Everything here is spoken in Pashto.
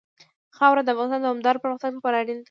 خاوره د افغانستان د دوامداره پرمختګ لپاره اړین دي.